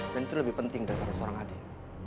dan itu lebih penting daripada seorang adik